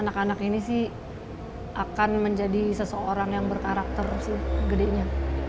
namun baru kali ini lea dapat terjun langsung untuk berkolaborasi bersama mereka